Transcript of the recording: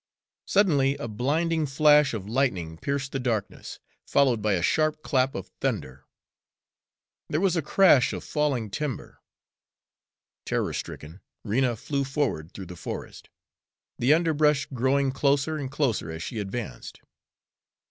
Suddenly a blinding flash of lightning pierced the darkness, followed by a sharp clap of thunder. There was a crash of falling timber. Terror stricken, Rena flew forward through the forest, the underbrush growing closer and closer as she advanced.